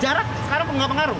jarak sekarang nggak pengaruh